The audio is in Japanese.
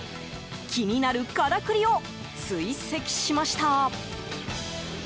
気になるからくりを追跡しました。